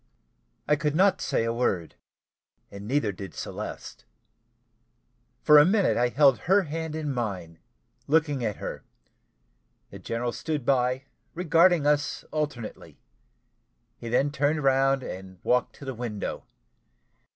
I could not say a word neither did Celeste. For a minute I held her hand in mine, looking at her; the general stood by, regarding us alternately. He then turned round and walked to the window.